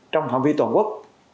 trong phạm vi toàn quốc